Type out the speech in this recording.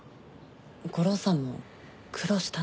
悟郎さんも苦労したんだ。